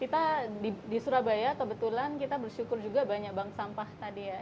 kita di surabaya kebetulan kita bersyukur juga banyak bank sampah tadi ya